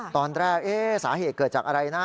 ตอนแรกสาเหตุเกิดจากอะไรนะ